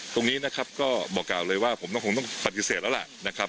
ตรงนี้นะครับก็บอกกล่าวเลยว่าผมต้องคงต้องปฏิเสธแล้วล่ะนะครับ